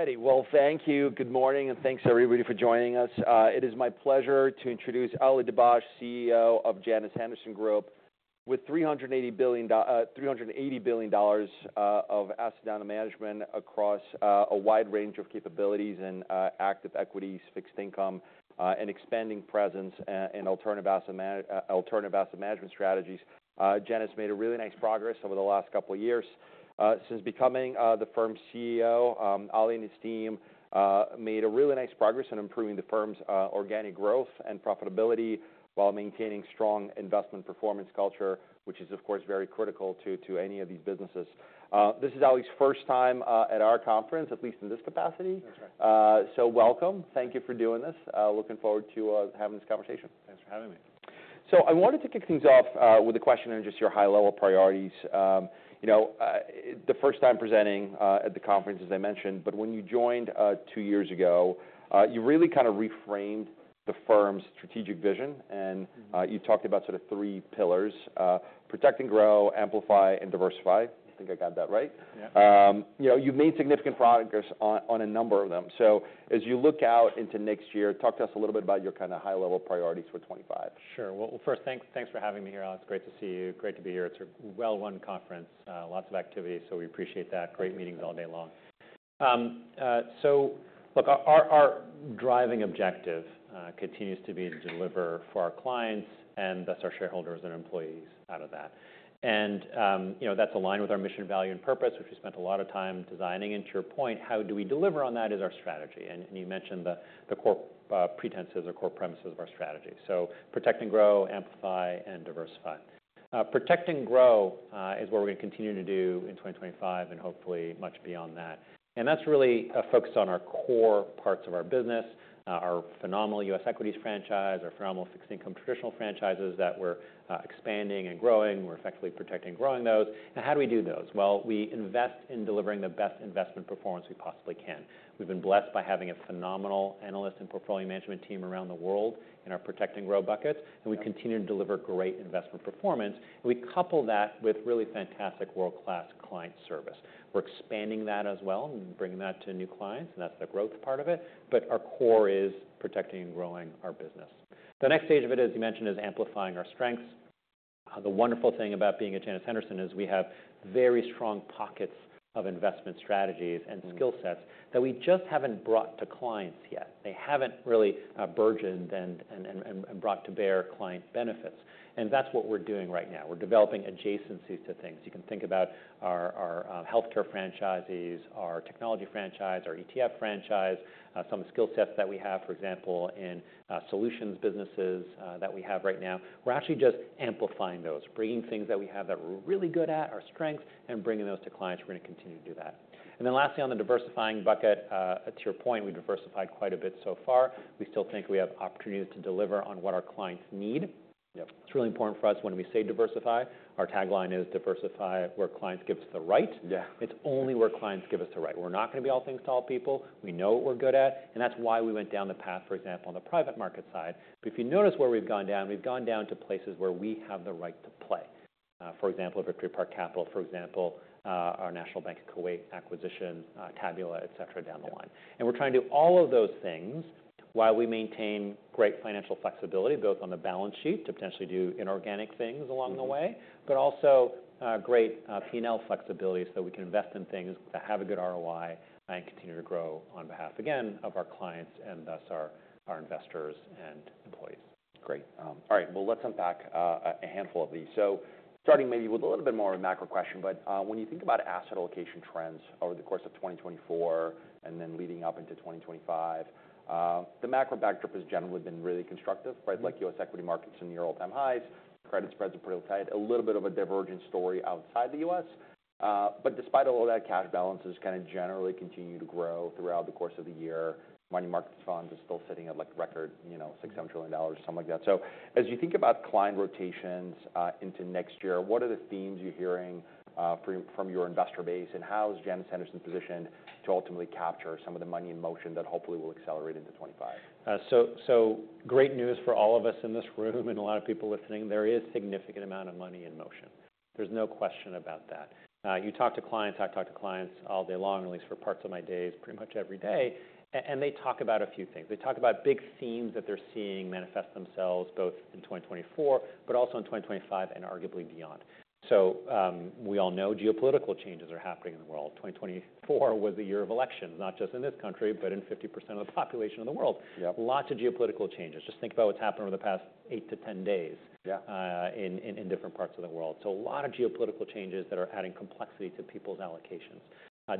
All righty. Well, thank you. Good morning, and thanks everybody for joining us. It is my pleasure to introduce Ali Dibadj, CEO of Janus Henderson Group, with $380 billion, $380 billion, of asset management across a wide range of capabilities and active equities, fixed income, and expanding presence in alternative asset management, alternative asset management strategies. Janus made a really nice progress over the last couple of years. Since becoming the firm's CEO, Ali and his team made a really nice progress in improving the firm's organic growth and profitability while maintaining strong investment performance culture, which is, of course, very critical to any of these businesses. This is Ali's first time at our conference, at least in this capacity. That's right. So welcome. Thank you for doing this. Looking forward to having this conversation. Thanks for having me. I wanted to kick things off with a question on just your high-level priorities. You know, the first time presenting at the conference, as I mentioned, but when you joined two years ago, you really kind of reframed the firm's strategic vision, and you talked about sort of three pillars: Protect and Grow, Amplify, and Diversify. I think I got that right. Yeah. You know, you've made significant progress on a number of them, so as you look out into next year, talk to us a little bit about your kind of high-level priorities for 2025. Sure. Well, first, thanks for having me here, Ali. It's great to see you. Great to be here. It's a well-run conference, lots of activity, so we appreciate that. Great meetings all day long, so look, our driving objective continues to be to deliver for our clients and, thus, our shareholders and employees out of that. And, you know, that's aligned with our mission, value, and purpose, which we spent a lot of time designing. And to your point, how do we deliver on that is our strategy. And you mentioned the core premises of our strategy. So Protect and Grow, Amplify, and Diversify. Protect and Grow is what we're gonna continue to do in 2025 and hopefully much beyond that. And that's really, focused on our core parts of our business, our phenomenal U.S. equities franchise, our phenomenal fixed income traditional franchises that we're, expanding and growing. We're effectively protecting and growing those. And how do we do those? Well, we invest in delivering the best investment performance we possibly can. We've been blessed by having a phenomenal analyst and portfolio management team around the world in our Protect and Grow bucket, and we continue to deliver great investment performance. And we couple that with really fantastic world-class client service. We're expanding that as well and bringing that to new clients, and that's the growth part of it. But our core is protecting and growing our business. The next stage of it, as you mentioned, is amplifying our strengths. The wonderful thing about being at Janus Henderson is we have very strong pockets of investment strategies and skill sets that we just haven't brought to clients yet. They haven't really burgeoned and brought to bear client benefits. And that's what we're doing right now. We're developing adjacencies to things. You can think about our healthcare franchises, our technology franchise, our ETF franchise, some of the skill sets that we have, for example, in solutions businesses, that we have right now. We're actually just amplifying those, bringing things that we have that we're really good at, our strengths, and bringing those to clients. We're gonna continue to do that. And then lastly, on the diversifying bucket, to your point, we've diversified quite a bit so far. We still think we have opportunities to deliver on what our clients need. Yep. It's really important for us when we say diversify. Our tagline is, "Diversify where clients give us the right.'' Yeah. It's only where clients give us the right. We're not gonna be all things to all people. We know what we're good at, and that's why we went down the path, for example, on the private market side. But if you notice where we've gone down, we've gone down to places where we have the right to play. For example, Victory Park Capital, for example, our National Bank of Kuwait acquisition, Tabula, etc., down the line. And we're trying to do all of those things while we maintain great financial flexibility, both on the balance sheet to potentially do inorganic things along the way. But also, great P&L flexibility so that we can invest in things that have a good ROI and continue to grow on behalf, again, of our clients and, thus, our investors and employees. Great. All right. Well, let's unpack a handful of these. So starting maybe with a little bit more of a macro question, but when you think about asset allocation trends over the course of 2024 and then leading up into 2025, the macro backdrop has generally been really constructive, right Like, U.S. equity markets in near all-time highs. Credit spreads are pretty tight. A little bit of a divergent story outside the U.S. But despite all of that, cash balances kind of generally continue to grow throughout the course of the year. Money market funds are still sitting at, like, record, you know, $6 trillion-$7 trillion, something like that. So as you think about client rotations into next year, what are the themes you're hearing from your investor base, and how is Janus Henderson positioned to ultimately capture some of the money in motion that hopefully will accelerate into 2025? So, so great news for all of us in this room and a lot of people listening. There is a significant amount of money in motion. There's no question about that. You talk to clients. I've talked to clients all day long, at least for parts of my days, pretty much every day. And they talk about a few things. They talk about big themes that they're seeing manifest themselves both in 2024 but also in 2025 and arguably beyond. So, we all know geopolitical changes are happening in the world. 2024 was the year of elections, not just in this country but in 50% of the population of the world. Yep. Lots of geopolitical changes. Just think about what's happened over the past 8-10 days. Yeah. In different parts of the world. So a lot of geopolitical changes that are adding complexity to people's allocations.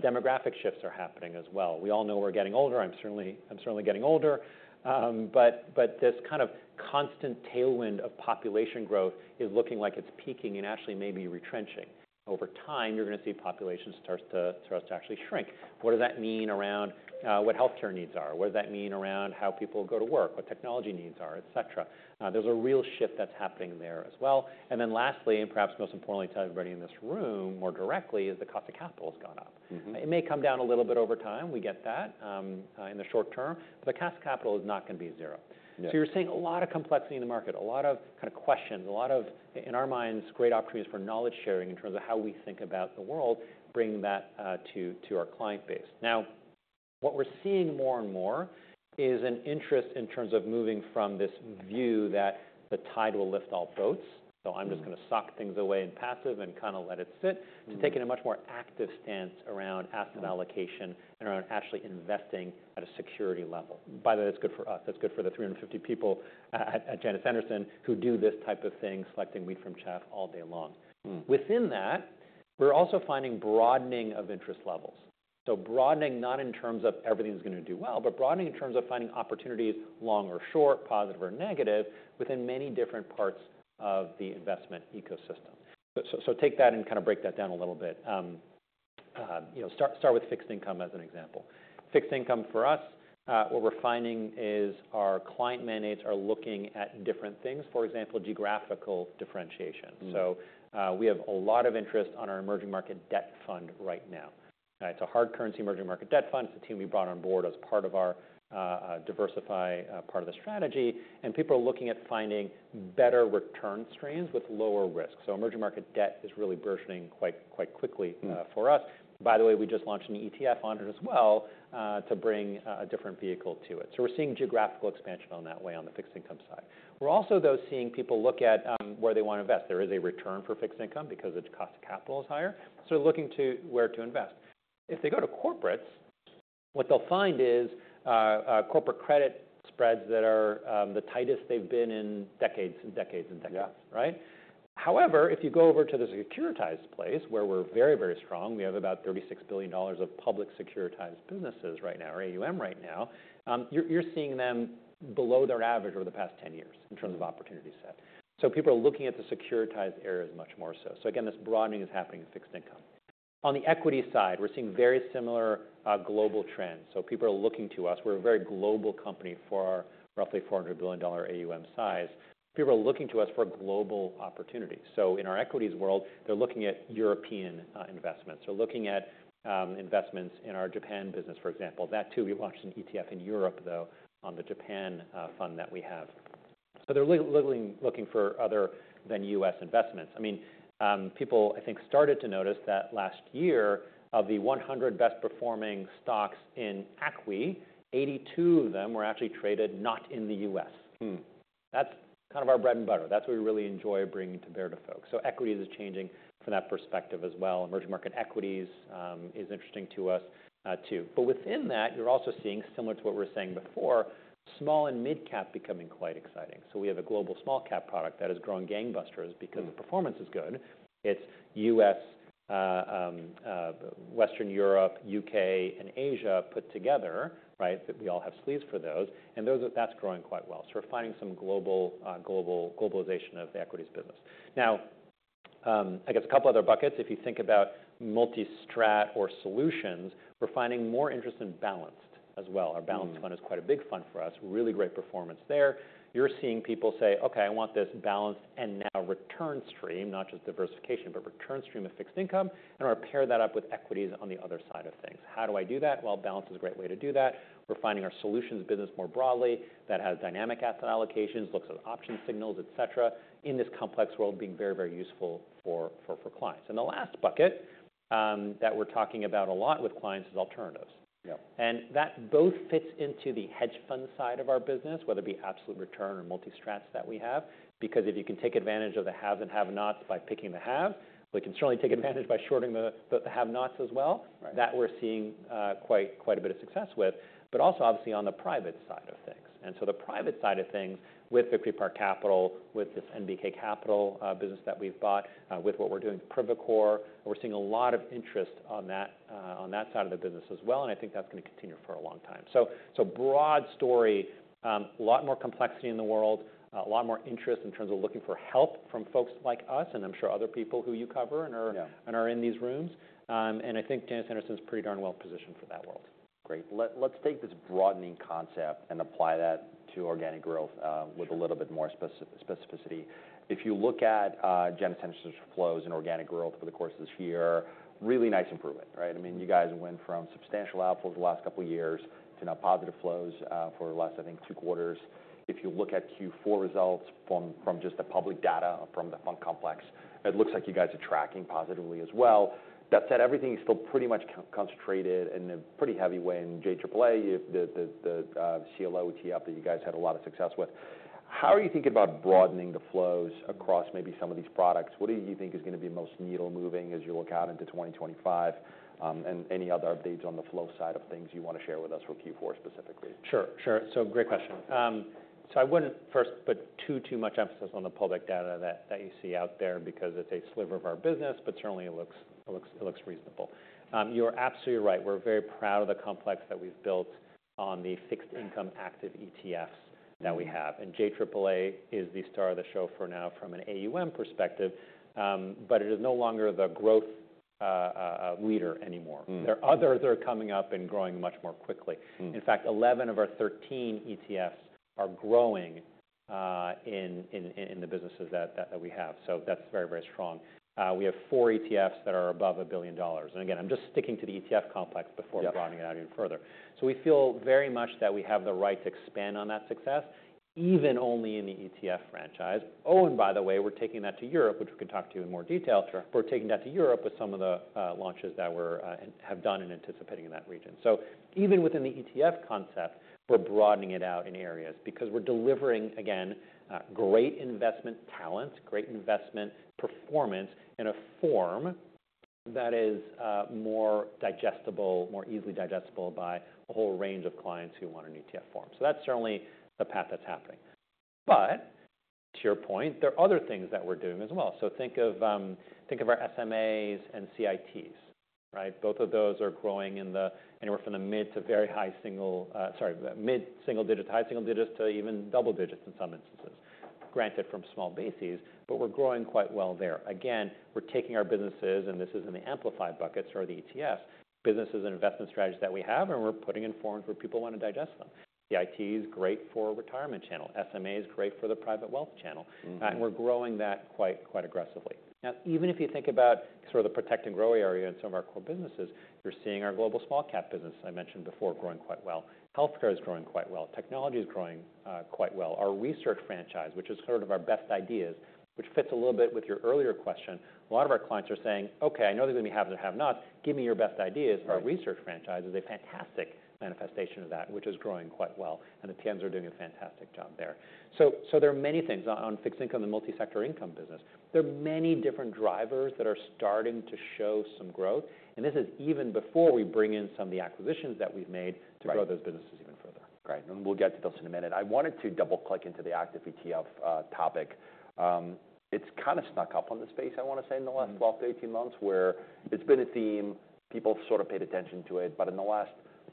Demographic shifts are happening as well. We all know we're getting older. I'm certainly getting older. But this kind of constant tailwind of population growth is looking like it's peaking and actually maybe retrenching. Over time, you're gonna see population starts to actually shrink. What does that mean around what healthcare needs are? What does that mean around how people go to work, what technology needs are, etc.? There's a real shift that's happening there as well. And then lastly, and perhaps most importantly to everybody in this room more directly, is the cost of capital has gone up. Mm-hmm. It may come down a little bit over time. We get that, in the short term, but the cost of capital is not gonna be zero. Yeah. So you're seeing a lot of complexity in the market, a lot of kind of questions, a lot of, in our minds, great opportunities for knowledge sharing in terms of how we think about the world, bringing that to our client base. Now, what we're seeing more and more is an interest in terms of moving from this view that the tide will lift all boats, so I'm just gonna sock things away and passive and kind of let it sit. Mm-hmm. To taking a much more active stance around asset allocation and around actually investing at a security level. By the way, that's good for us. That's good for the 350 people at Janus Henderson who do this type of thing, selecting wheat from chaff all day long. Within that, we're also finding broadening of interest levels. So broadening not in terms of everything's gonna do well, but broadening in terms of finding opportunities, long or short, positive or negative, within many different parts of the investment ecosystem. So take that and kind of break that down a little bit. You know, start with fixed income as an example. Fixed income for us, what we're finding is our client mandates are looking at different things, for example, geographical differentiation. Mm-hmm. We have a lot of interest on our Emerging Market Debt Fund right now. It's a Hard Currency Emerging Market Debt Fund. It's a team we brought on board as part of our diversification, part of the strategy. People are looking at finding better return streams with lower risk. Emerging Market Debt is really burgeoning quite, quite quickly. Mm-hmm. For us. By the way, we just launched an ETF on it as well, to bring a different vehicle to it. So we're seeing geographical expansion in that way on the fixed income side. We're also, though, seeing people look at where they wanna invest. There is a return for fixed income because the cost of capital is higher. So they're looking to where to invest. If they go to corporates, what they'll find is corporate credit spreads that are the tightest they've been in decades and decades and decades. Yeah. Right? However, if you go over to the securitized place where we're very, very strong, we have about $36 billion of public securitized businesses right now or AUM right now. You're seeing them below their average over the past 10 years in terms of opportunity set. So people are looking at the securitized areas much more so. So again, this broadening is happening in fixed income. On the equity side, we're seeing very similar, global trends. So people are looking to us. We're a very global company for our roughly $400 billion AUM size. People are looking to us for global opportunities. So in our equities world, they're looking at European investments. They're looking at investments in our Japan business, for example. That too, we launched an ETF in Europe, though, on the Japan fund that we have. So they're looking for other than U.S. investments. I mean, people, I think, started to notice that last year, of the 100 best-performing stocks in ACWI, 82 of them were actually traded not in the U.S. That's kind of our bread and butter. That's what we really enjoy bringing to bear to folks. So equities are changing from that perspective as well. Emerging market equities is interesting to us, too. But within that, you're also seeing, similar to what we were saying before, small and mid-cap becoming quite exciting. So we have a global small-cap product that is growing gangbusters because the performance is good. It's U.S., Western Europe, U.K., and Asia put together, right? That we all have sleeves for those. And those are, that's growing quite well. So we're finding some global globalization of the equities business. Now, I guess a couple other buckets. If you think about multi-strat or solutions, we're finding more interest in balanced as well. Our balanced fund is quite a big fund for us. Really great performance there. You're seeing people say, "Okay, I want this balanced and now return stream, not just diversification, but return stream of fixed income, and I'm gonna pair that up with equities on the other side of things." How do I do that? Well, balance is a great way to do that. We're finding our solutions business more broadly that has dynamic asset allocations, looks at option signals, etc., in this complex world being very, very useful for clients. The last bucket that we're talking about a lot with clients is alternatives. Yep. That both fits into the hedge fund side of our business, whether it be absolute return or multi-strategy that we have, because if you can take advantage of the haves and have-nots by picking the haves, we can certainly take advantage by shorting the have-nots as well. Right. That we're seeing quite a bit of success with, but also, obviously, on the private side of things, and so the private side of things with Victory Park Capital, with this NBK Capital business that we've bought, with what we're doing with Privacore, we're seeing a lot of interest on that side of the business as well, and I think that's gonna continue for a long time, so broad story, a lot more complexity in the world, a lot more interest in terms of looking for help from folks like us, and I'm sure other people who you cover and are. Yeah. We are in these rooms. I think Janus Henderson's pretty darn well positioned for that world. Great. Let's take this broadening concept and apply that to organic growth, with a little bit more specificity. If you look at Janus Henderson's flows in organic growth over the course of this year, really nice improvement, right? I mean, you guys went from substantial outflows the last couple of years to now positive flows, for the last, I think, two quarters. If you look at Q4 results from just the public data from the fund complex, it looks like you guys are tracking positively as well. That said, everything is still pretty much concentrated in a pretty heavy way in JAAA, the CLO ETF that you guys had a lot of success with. How are you thinking about broadening the flows across maybe some of these products? What do you think is gonna be most needle-moving as you look out into 2025? Any other updates on the flow side of things you wanna share with us for Q4 specifically? Sure, sure. So, great question. So I wouldn't first put too much emphasis on the public data that you see out there because it's a sliver of our business, but certainly it looks reasonable. You're absolutely right. We're very proud of the complex that we've built on the fixed income active ETFs that we have. JAAA is the star of the show for now from an AUM perspective, but it is no longer the growth leader anymore. There are others that are coming up and growing much more quickly. In fact, 11 of our 13 ETFs are growing in the businesses that we have. So that's very, very strong. We have four ETFs that are above $1 billion. Again, I'm just sticking to the ETF complex before. Yeah. We're broadening it out even further. So we feel very much that we have the right to expand on that success, even only in the ETF franchise. Oh, and by the way, we're taking that to Europe, which we can talk to you in more detail We're taking that to Europe with some of the launches that we have done and anticipating in that region. So even within the ETF concept, we're broadening it out in areas because we're delivering, again, great investment talent, great investment performance in a form that is more digestible, more easily digestible by a whole range of clients who want an ETF form. So that's certainly the path that's happening. But to your point, there are other things that we're doing as well. So think of, think of our SMAs and CITs, right? Both of those are growing anywhere from the mid to very high single, sorry, mid single digit to high single digits to even double digits in some instances, granted from small bases, but we're growing quite well there. Again, we're taking our businesses, and this is in the amplified buckets or the ETFs, businesses and investment strategies that we have, and we're putting in forms where people wanna digest them. The ETF is great for retirement channel. SMA is great for the private wealth channel. Mm-hmm. We're growing that quite, quite aggressively. Now, even if you think about sort of the Protect and Grow area in some of our core businesses, you're seeing our global small-cap business, I mentioned before, growing quite well. Healthcare is growing quite well. Technology is growing, quite well. Our research franchise, which is sort of our best ideas, which fits a little bit with your earlier question, a lot of our clients are saying, "Okay, I know they're gonna be haves and have-nots. Give me your best ideas. Mm-hmm. Our research franchise is a fantastic manifestation of that, which is growing quite well. And the teams are doing a fantastic job there. So there are many things on fixed income, the multi-sector income business. There are many different drivers that are starting to show some growth. And this is even before we bring in some of the acquisitions that we've made to grow those businesses even further. Right. We'll get to those in a minute. I wanted to double-click into the active ETF topic. It's kind of snuck up on the space, I wanna say, in the last 12-18 months where it's been a theme. People sort of paid attention to it. In the last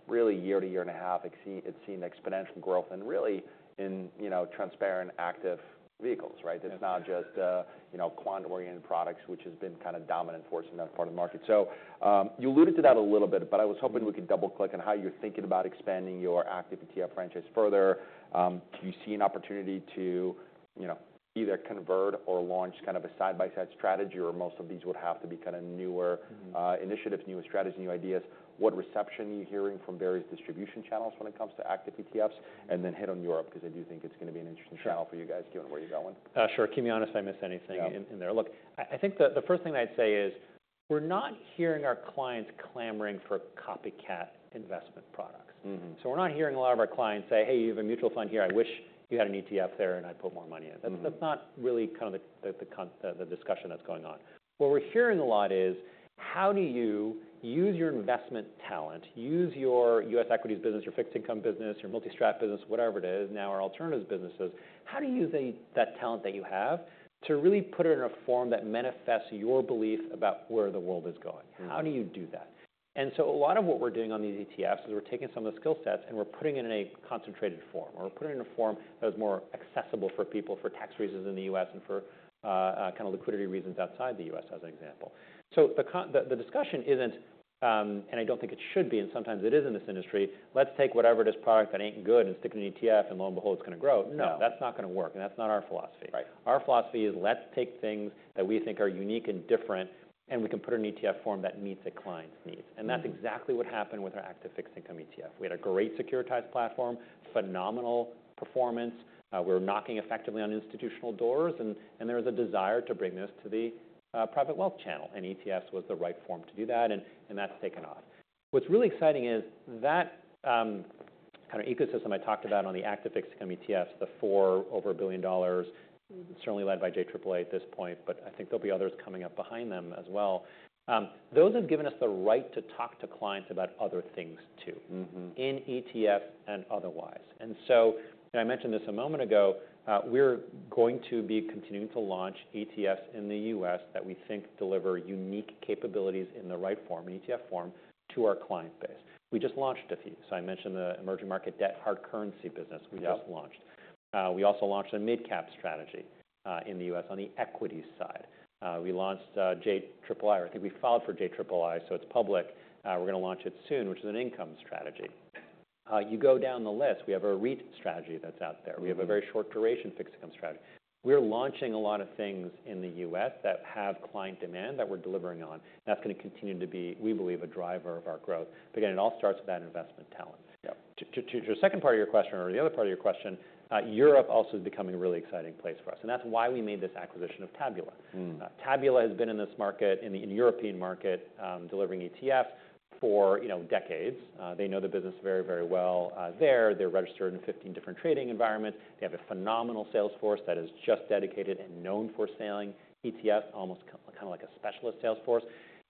really year to year and a half, it's seen exponential growth and really in, you know, transparent active vehicles, right? Yeah. It's not just, you know, quant-oriented products, which has been kind of dominant force in that part of the market. So, you alluded to that a little bit, but I was hoping we could double-click on how you're thinking about expanding your active ETF franchise further. Do you see an opportunity to, you know, either convert or launch kind of a side-by-side strategy where most of these would have to be kind of newer. Mm-hmm. Initiatives, new strategies, new ideas? What reception are you hearing from various distribution channels when it comes to active ETFs? And then hit on Europe 'cause I do think it's gonna be an interesting channel for you guys given where you're going. Sure. Keep me honest if I miss anything in there. Yeah. Look, I think the first thing I'd say is we're not hearing our clients clamoring for copycat investment products. Mm-hmm. So we're not hearing a lot of our clients say, "Hey, you have a mutual fund here. I wish you had an ETF there and I'd put more money in. Mm-hmm. That's not really the kind of conversation that's going on. What we're hearing a lot is, how do you use your investment talent, use your U.S. equities business, your fixed income business, your multi-strat business, whatever it is, now our alternative businesses, how do you use that talent that you have to really put it in a form that manifests your belief about where the world is going? Mm-hmm. How do you do that? And so a lot of what we're doing on these ETFs is we're taking some of the skill sets and we're putting it in a concentrated form or putting it in a form that is more accessible for people for tax reasons in the U.S. and for, kind of liquidity reasons outside the U.S., as an example. So the discussion isn't, and I don't think it should be, and sometimes it is in this industry, "Let's take whatever it is, product that ain't good and stick it in an ETF and lo and behold, it's gonna grow. Right. No, that's not gonna work. And that's not our philosophy. Right. Our philosophy is let's take things that we think are unique and different and we can put it in an ETF form that meets a client's needs. Mm-hmm. That's exactly what happened with our active fixed income ETF. We had a great securitized platform, phenomenal performance. We were knocking effectively on institutional doors, and there was a desire to bring this to the private wealth channel. ETFs was the right form to do that. That's taken off. What's really exciting is that kind of ecosystem I talked about on the active fixed income ETFs, the four over a billion dollars, certainly led by JAAA at this point, but I think there'll be others coming up behind them as well. Those have given us the right to talk to clients about other things too. Mm-hmm. In ETFs and otherwise, and so, and I mentioned this a moment ago, we're going to be continuing to launch ETFs in the U.S. that we think deliver unique capabilities in the right form, ETF form, to our client base. We just launched a few, so I mentioned the emerging market debt hard currency business. Yeah. We just launched. We also launched a mid-cap strategy in the U.S. on the equity side. We launched JAAA. I think we filed for JAAA, so it's public. We're gonna launch it soon, which is an income strategy. You go down the list. We have a REIT strategy that's out there. Mm-hmm. We have a very short duration fixed income strategy. We're launching a lot of things in the U.S. that have client demand that we're delivering on. That's gonna continue to be, we believe, a driver of our growth. But again, it all starts with that investment talent. Yep. To the second part of your question or the other part of your question, Europe also is becoming a really exciting place for us, and that's why we made this acquisition of Tabula. Mm-hmm. Tabula has been in this market, in the European market, delivering ETFs for, you know, decades. They know the business very, very well, there. They're registered in 15 different trading environments. They have a phenomenal sales force that is just dedicated and known for selling ETFs, almost kind of like a specialist sales force.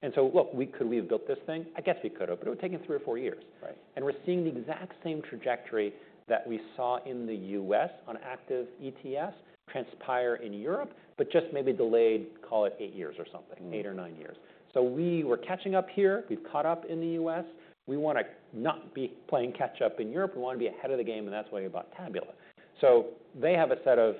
And so, look, we could have built this thing? I guess we could have, but it would've taken three or four years. Right. We're seeing the exact same trajectory that we saw in the U.S. on active ETFs transpire in Europe, but just maybe delayed, call it eight years or something. Mm-hmm. Eight or nine years, so we were catching up here. We've caught up in the U.S. We wanna not be playing catch up in Europe. We wanna be ahead of the game, and that's why we bought Tabula, so they have a set of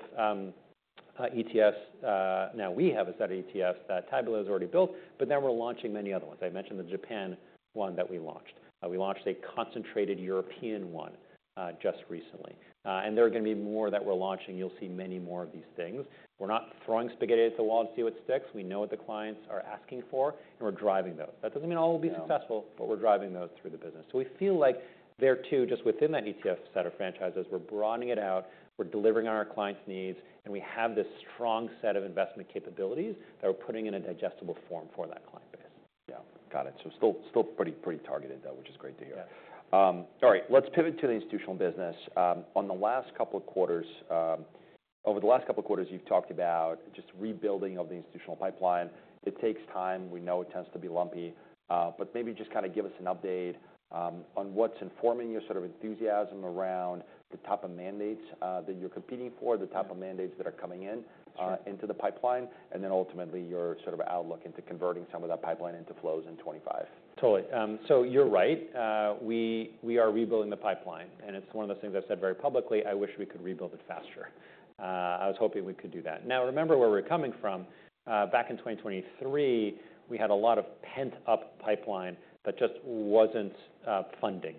ETFs. Now we have a set of ETFs that Tabula has already built, but then we're launching many other ones. I mentioned the Japan one that we launched. We launched a concentrated European one, just recently, and there are gonna be more that we're launching. You'll see many more of these things. We're not throwing spaghetti at the wall to see what sticks. We know what the clients are asking for, and we're driving those. That doesn't mean all will be successful. Mm-hmm. But we're driving those through the business. So we feel like there too, just within that ETF set of franchises, we're broadening it out. We're delivering on our clients' needs, and we have this strong set of investment capabilities that we're putting in a digestible form for that client base. Yeah. Got it. So still pretty targeted though, which is great to hear. Yeah. All right. Let's pivot to the institutional business. On the last couple of quarters, over the last couple of quarters, you've talked about just rebuilding of the institutional pipeline. It takes time. We know it tends to be lumpy, but maybe just kind of give us an update on what's informing your sort of enthusiasm around the type of mandates that you're competing for, the type of mandates that are coming in into the pipeline, and then ultimately your sort of outlook into converting some of that pipeline into flows in 2025. Totally. So you're right. We are rebuilding the pipeline. And it's one of those things I've said very publicly. I wish we could rebuild it faster. I was hoping we could do that. Now, remember where we're coming from? Back in 2023, we had a lot of pent-up pipeline that just wasn't funding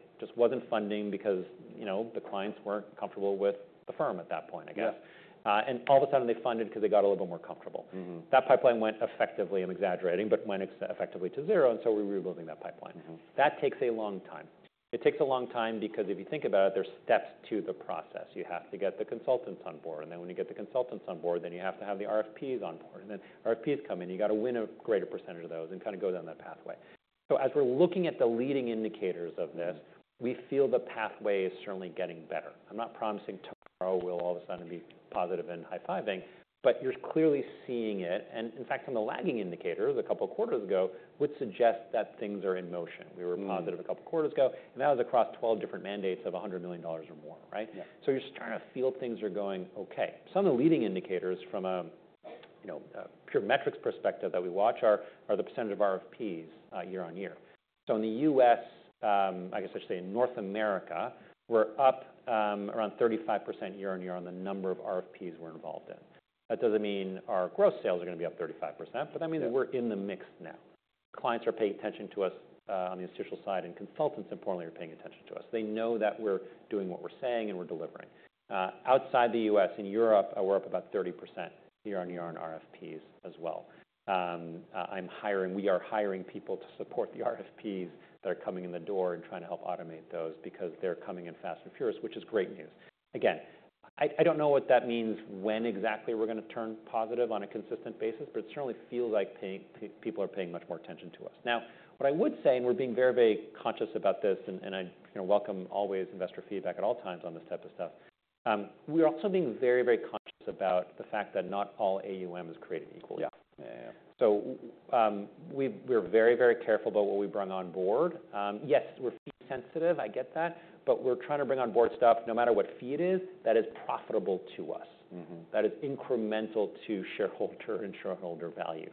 because, you know, the clients weren't comfortable with the firm at that point, I guess. Yeah. And all of a sudden they funded 'cause they got a little bit more comfortable. Mm-hmm. That pipeline went effectively, I'm exaggerating, but went effectively to zero. And so we're rebuilding that pipeline. Mm-hmm. That takes a long time. It takes a long time because if you think about it, there's steps to the process. You have to get the consultants on board. And then when you get the consultants on board, then you have to have the RFPs on board. And then RFPs come in. You gotta win a greater percentage of those and kind of go down that pathway. So as we're looking at the leading indicators of this, we feel the pathway is certainly getting better. I'm not promising tomorrow will all of a sudden be positive and high-fiving, but you're clearly seeing it. And in fact, on the lagging indicators a couple of quarters ago would suggest that things are in motion. Mm-hmm. We were positive a couple of quarters ago, and that was across 12 different mandates of $100 million or more, right? Yeah. So you're just trying to feel things are going okay. Some of the leading indicators from a, you know, a pure metrics perspective that we watch are the percentage of RFPs year-on-year. So in the U.S., I guess I should say in North America, we're up around 35% year-on-year on the number of RFPs we're involved in. That doesn't mean our gross sales are gonna be up 35%, but that means we're in the mix now. Clients are paying attention to us on the institutional side, and consultants importantly are paying attention to us. They know that we're doing what we're saying and we're delivering. Outside the U.S., in Europe, we're up about 30% year-on-year on RFPs as well. I'm hiring. We are hiring people to support the RFPs that are coming in the door and trying to help automate those because they're coming in fast and furious, which is great news. Again, I don't know what that means when exactly we're gonna turn positive on a consistent basis, but it certainly feels like people are paying much more attention to us. Now, what I would say, and we're being very, very conscious about this, and I you know welcome always investor feedback at all times on this type of stuff, we're also being very, very conscious about the fact that not all AUM is created equally. Yeah. Yeah, yeah, yeah. So, we've, we're very, very careful about what we bring on board. Yes, we're fee sensitive. I get that. But we're trying to bring on board stuff no matter what fee it is that is profitable to us. Mm-hmm. That is incremental to shareholder and shareholder value.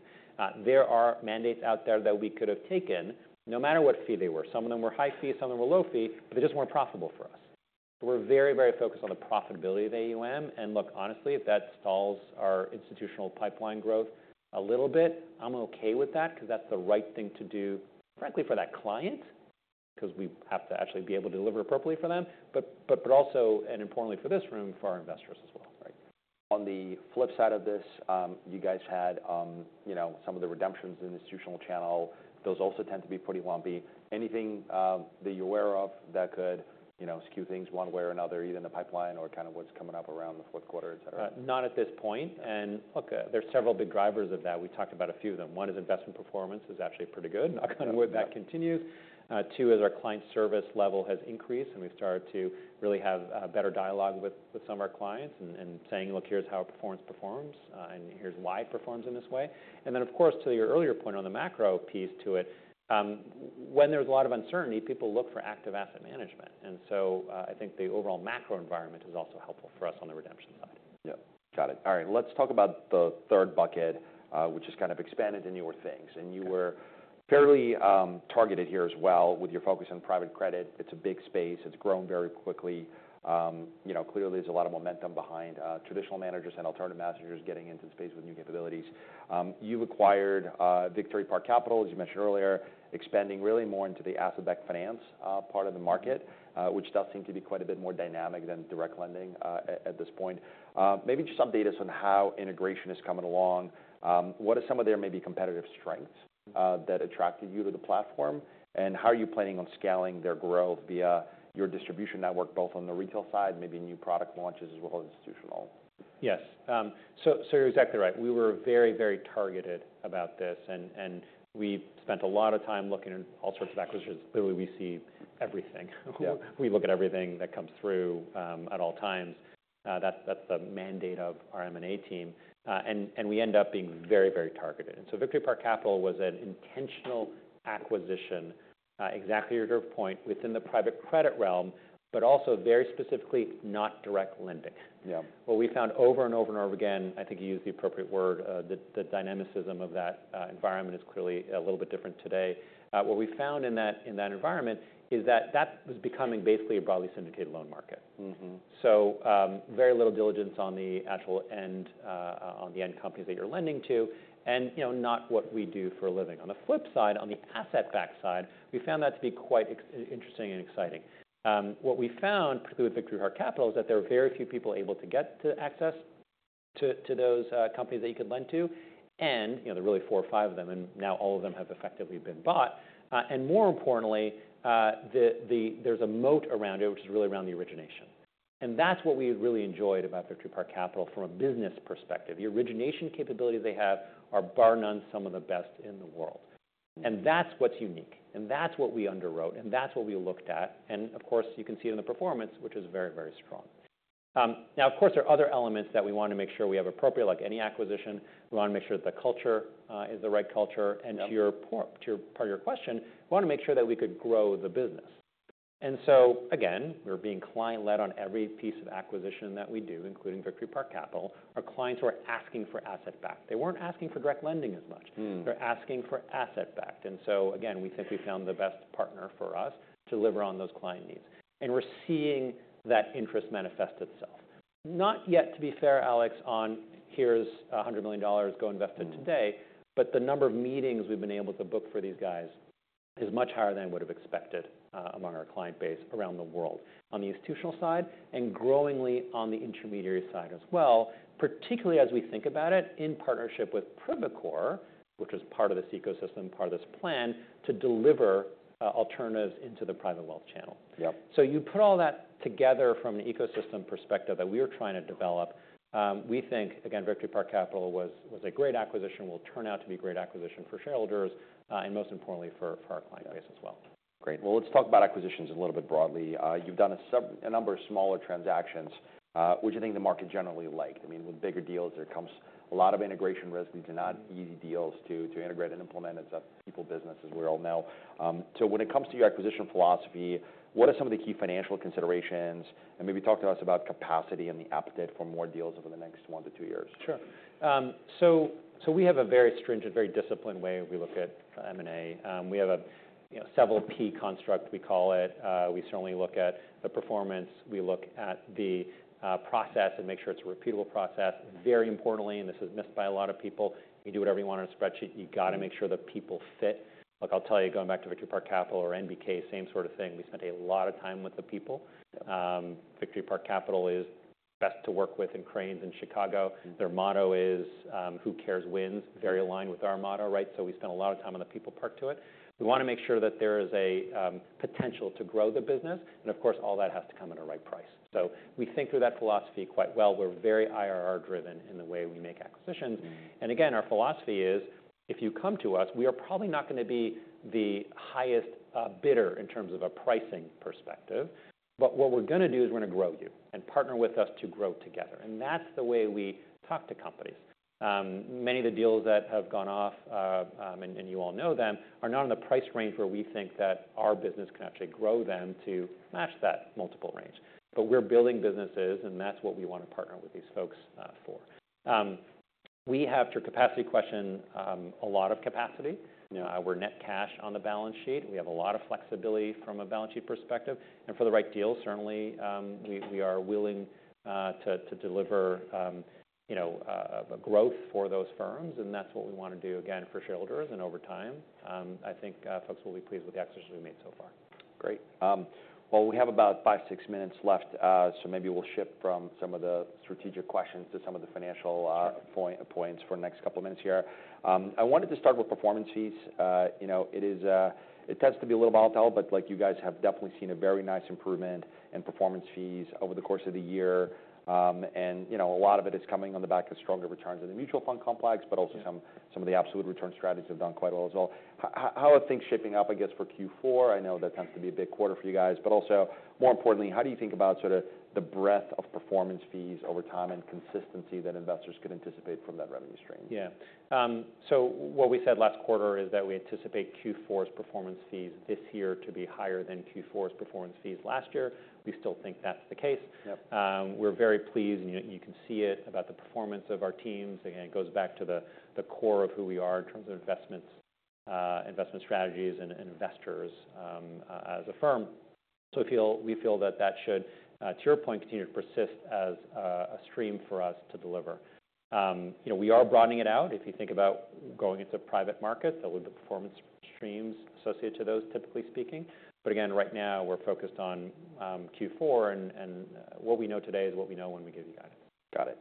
There are mandates out there that we could have taken no matter what fee they were. Some of them were high fee, some of them were low fee, but they just weren't profitable for us. We're very, very focused on the profitability of the AUM. And look, honestly, if that stalls our institutional pipeline growth a little bit, I'm okay with that 'cause that's the right thing to do, frankly, for that client 'cause we have to actually be able to deliver appropriately for them, but, but, but also, and importantly for this room, for our investors as well. Right. On the flip side of this, you guys had, you know, some of the redemptions in the institutional channel. Those also tend to be pretty lumpy. Anything, that you're aware of that could, you know, skew things one way or another, either in the pipeline or kind of what's coming up around the fourth quarter, etc.? Not at this point. And look, there's several big drivers of that. We talked about a few of them. One is investment performance is actually pretty good. Mm-hmm. Knock on wood, that continues. Two is our client service level has increased and we've started to really have better dialogue with some of our clients and saying, "Look, here's how our performance performs. And here's why it performs in this way." And then, of course, to your earlier point on the macro piece to it, when there's a lot of uncertainty, people look for active asset management. And so, I think the overall macro environment is also helpful for us on the redemption side. Yep. Got it. All right. Let's talk about the third bucket, which is kind of expanded into your things. And you were fairly targeted here as well with your focus on private credit. It's a big space. It's grown very quickly. You know, clearly there's a lot of momentum behind traditional managers and alternative managers getting into the space with new capabilities. You've acquired Victory Park Capital, as you mentioned earlier, expanding really more into the asset-backed finance part of the market, which does seem to be quite a bit more dynamic than direct lending at this point. Maybe just some data on how integration is coming along. What are some of their maybe competitive strengths that attracted you to the platform? And how are you planning on scaling their growth via your distribution network, both on the retail side, maybe new product launches as well as institutional? Yes, so you're exactly right. We were very, very targeted about this, and we spent a lot of time looking at all sorts of acquisitions. Clearly, we see everything. Yeah. We look at everything that comes through, at all times. That's the mandate of our M&A team. And we end up being very targeted. And so Victory Park Capital was an intentional acquisition, exactly your point, within the private credit realm, but also very specifically not direct lending. Yeah. What we found over and over and over again, I think you used the appropriate word, the dynamism of that environment is clearly a little bit different today. What we found in that environment is that that was becoming basically a broadly syndicated loan market. Mm-hmm. So, very little diligence on the actual end, on the end companies that you're lending to, and, you know, not what we do for a living. On the flip side, on the asset-backed side, we found that to be quite interesting and exciting. What we found, particularly with Victory Park Capital, is that there are very few people able to get access to those companies that you could lend to. And, you know, there are really four or five of them, and now all of them have effectively been bought, and more importantly, there's a moat around it, which is really around the origination. And that's what we really enjoyed about Victory Park Capital from a business perspective. The origination capabilities they have are, bar none, some of the best in the world. Mm-hmm. That's what's unique. That's what we underwrote. That's what we looked at. Of course, you can see it in the performance, which is very, very strong. Now, of course, there are other elements that we wanna make sure we have appropriate, like any acquisition. We wanna make sure that the culture is the right culture. Yep. And to your point, to your part of your question, we wanna make sure that we could grow the business. So, again, we're being client-led on every piece of acquisition that we do, including Victory Park Capital. Our clients were asking for asset-backed. They weren't asking for direct lending as much. Mm-hmm. They're asking for asset-backed, and so, again, we think we found the best partner for us to deliver on those client needs, and we're seeing that interest manifest itself. Not yet, to be fair, Alex, on here's $100 million, go invest it today, but the number of meetings we've been able to book for these guys is much higher than I would've expected, among our client base around the world on the institutional side and growingly on the intermediary side as well, particularly as we think about it in partnership with Privacore, which is part of this ecosystem, part of this plan to deliver alternatives into the private wealth channel. Yep. So you put all that together from an ecosystem perspective that we were trying to develop. We think, again, Victory Park Capital was a great acquisition, will turn out to be a great acquisition for shareholders, and most importantly for our client base as well. Yep. Great. Well, let's talk about acquisitions a little bit broadly. You've done several number of smaller transactions, which I think the market generally liked. I mean, with bigger deals, there comes a lot of integration risk. These are not easy deals to integrate and implement. It's a people business, as we all know. So when it comes to your acquisition philosophy, what are some of the key financial considerations? And maybe talk to us about capacity and the appetite for more deals over the next one to two years. Sure, so we have a very stringent, very disciplined way we look at M&A. We have a, you know, several P constructs, we call it. We certainly look at the performance. We look at the process and make sure it's a repeatable process. Very importantly, and this is missed by a lot of people, you do whatever you want on a spreadsheet, you gotta make sure the people fit. Look, I'll tell you, going back to Victory Park Capital or NBK, same sort of thing. We spent a lot of time with the people. Yep. Victory Park Capital is based in Chicago. Mm-hmm. Their motto is, "Who cares wins?" Very aligned with our motto, right? So we spent a lot of time on the people part to it. We wanna make sure that there is a potential to grow the business. And of course, all that has to come at a right price. So we think through that philosophy quite well. We're very IRR-driven in the way we make acquisitions. Mm-hmm. Again, our philosophy is, if you come to us, we are probably not gonna be the highest bidder in terms of a pricing perspective. But what we're gonna do is we're gonna grow you and partner with us to grow together. And that's the way we talk to companies. Many of the deals that have gone off, and you all know them, are not in the price range where we think that our business can actually grow them to match that multiple range. But we're building businesses, and that's what we wanna partner with these folks for. We have, to your capacity question, a lot of capacity. You know, we're net cash on the balance sheet. We have a lot of flexibility from a balance sheet perspective. And for the right deal, certainly, we are willing to deliver, you know, growth for those firms. That's what we wanna do, again, for shareholders and over time. I think, folks will be pleased with the acquisitions we've made so far. Great. Well, we have about five, six minutes left, so maybe we'll shift from some of the strategic questions to some of the financial few points for the next couple of minutes here. I wanted to start with performance fees. You know, it is, it tends to be a little volatile, but, like, you guys have definitely seen a very nice improvement in performance fees over the course of the year. You know, a lot of it is coming on the back of stronger returns in the mutual fund complex, but also some of the absolute return strategies have done quite well as well. How are things shaping up, I guess, for Q4? I know that tends to be a big quarter for you guys. But also, more importantly, how do you think about sort of the breadth of performance fees over time and consistency that investors could anticipate from that revenue stream? Yeah, so what we said last quarter is that we anticipate Q4's performance fees this year to be higher than Q4's performance fees last year. We still think that's the case. Yep. We're very pleased, and you can see it about the performance of our teams. Again, it goes back to the core of who we are in terms of investments, investment strategies and investors, as a firm. So we feel that should, to your point, continue to persist as a stream for us to deliver. You know, we are broadening it out. If you think about going into private markets, there'll be performance streams associated to those, typically speaking. But again, right now, we're focused on Q4 and what we know today is what we know when we give you guidance.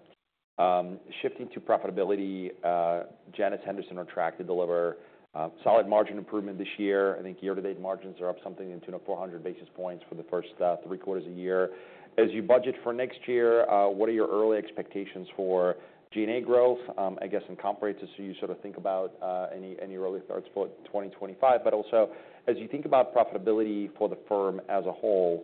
Got it. Shifting to profitability, Janus Henderson is on track to deliver solid margin improvement this year. I think year-to-date margins are up something in the 400 basis points for the first three quarters of the year. As you budget for next year, what are your early expectations for G&A growth, I guess, and comp rates as you sort of think about any early starts for 2025? But also, as you think about profitability for the firm as a whole,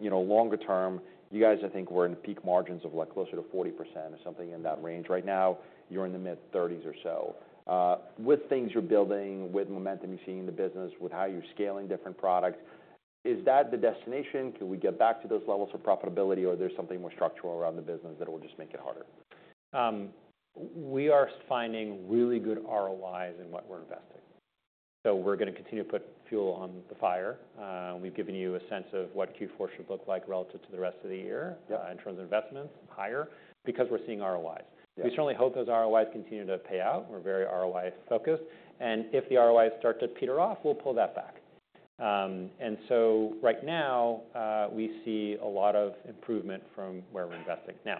you know, longer term, you guys, I think, were in peak margins of, like, closer to 40% or something in that range. Right now, you're in the mid-30s or so. With things you're building, with momentum you're seeing in the business, with how you're scaling different products, is that the destination? Can we get back to those levels of profitability, or there's something more structural around the business that will just make it harder? We are finding really good ROIs in what we're investing. So we're gonna continue to put fuel on the fire. We've given you a sense of what Q4 should look like relative to the rest of the year. Yep. In terms of investments. Higher because we're seeing ROIs. We certainly hope those ROIs continue to pay out. We're very ROI-focused. And if the ROIs start to peter off, we'll pull that back. And so right now, we see a lot of improvement from where we're investing. Now,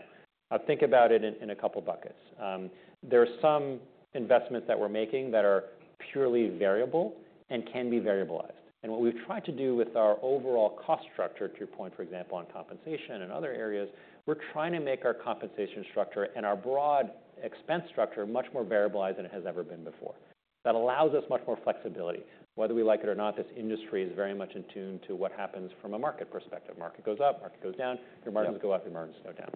I'll think about it in a couple of buckets. There are some investments that we're making that are purely variable and can be variabilized. And what we've tried to do with our overall cost structure, to your point, for example, on compensation and other areas, we're trying to make our compensation structure and our broad expense structure much more variabilized than it has ever been before. That allows us much more flexibility. Whether we like it or not, this industry is very much in tune to what happens from a market perspective. Market goes up, market goes down. Your margins go up, your margins go down.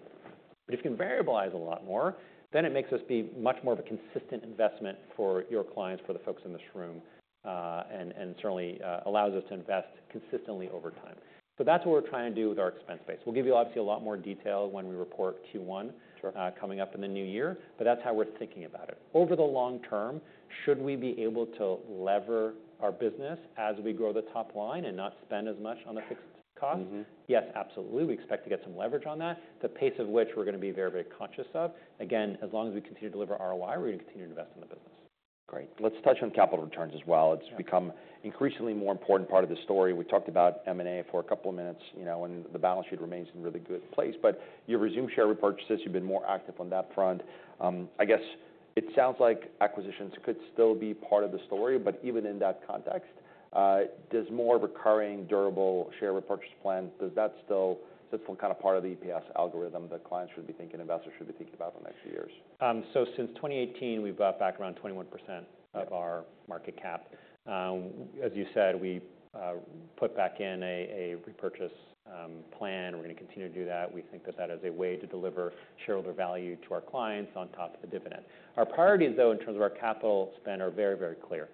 But if you can variabilize a lot more, then it makes us be much more of a consistent investment for your clients, for the folks in this room, and, and certainly, allows us to invest consistently over time. So that's what we're trying to do with our expense base. We'll give you, obviously, a lot more detail when we report Q1. Sure. Coming up in the new year. But that's how we're thinking about it. Over the long term, should we be able to lever our business as we grow the top line and not spend as much on the fixed costs? Mm-hmm. Yes, absolutely. We expect to get some leverage on that, the pace of which we're gonna be very, very conscious of. Again, as long as we continue to deliver ROI, we're gonna continue to invest in the business. Great. Let's touch on capital returns as well. It's become an increasingly more important part of the story. We talked about M&A for a couple of minutes, you know, and the balance sheet remains in a really good place. But you've resumed share repurchases. You've been more active on that front. I guess it sounds like acquisitions could still be part of the story. But even in that context, does a more recurring durable share repurchase plan, does that still, is that still kind of part of the EPS algorithm that clients should be thinking, investors should be thinking about in the next few years? So since 2018, we've bought back around 21% of our market cap. As you said, we put back in a repurchase plan. We're gonna continue to do that. We think that that is a way to deliver shareholder value to our clients on top of the dividend. Our priorities, though, in terms of our capital spend, are very, very clear.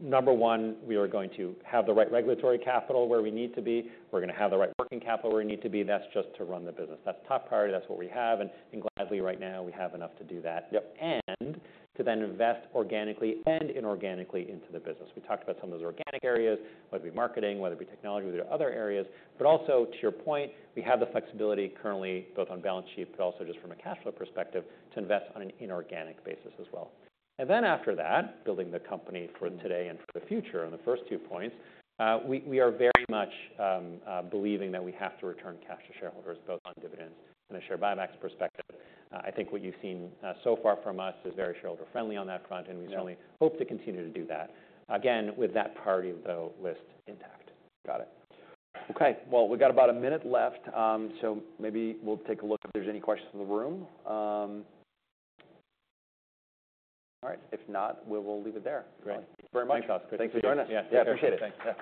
Number one, we are going to have the right regulatory capital where we need to be. We're gonna have the right working capital where we need to be. That's just to run the business. That's top priority. That's what we have. And gladly, right now, we have enough to do that. Yep. To then invest organically and inorganically into the business. We talked about some of those organic areas, whether it be marketing, whether it be technology, whether it be other areas. Also, to your point, we have the flexibility currently, both on balance sheet, but also just from a cash flow perspective, to invest on an inorganic basis as well. Then, after that, building the company for today and for the future, and the first two points, we are very much believing that we have to return cash to shareholders, both on dividends and a share buyback perspective. I think what you've seen so far from us is very shareholder-friendly on that front. Mm-hmm. And we certainly hope to continue to do that. Again, with that priority of the list intact. Got it. Okay. Well, we got about a minute left. So maybe we'll take a look if there's any questions in the room. All right. If not, we will leave it there. Great. Thank you very much. Thanks, Alex. Thanks for joining us. Yeah, appreciate it. Thanks.